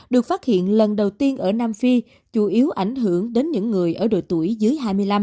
được phát hiện lần đầu tiên ở nam phi chủ yếu ảnh hưởng đến những người ở độ tuổi dưới hai mươi năm